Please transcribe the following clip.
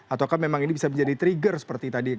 ataukah memang ini bisa menjadi trigger seperti tadi